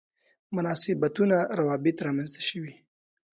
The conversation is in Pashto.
مناسبتونه روابط رامنځته شوي.